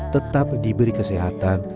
tetap diberi kesehatan